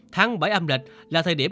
tháng bảy âm lịch là thời điểm